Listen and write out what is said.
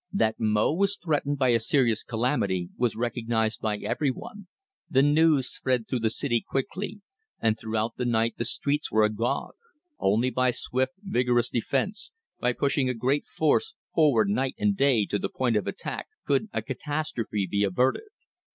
That Mo was threatened by a serious calamity was recognized by everyone. The news spread through the city quickly, and throughout the night the streets were agog. Only by swift vigorous defence, by pushing a great force forward night and day to the point of attack, could a catastrophe be averted.